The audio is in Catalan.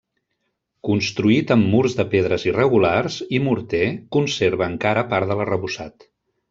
Construït amb murs de pedres irregulars i morter conserva encara part de l'arrebossat.